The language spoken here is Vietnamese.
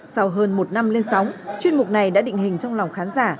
sau hơn một năm lên sóng chuyên mục này đã định hình trong lòng khán giả